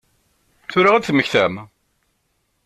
Tura i d-temmektam?